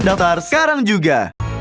daftar sekarang juga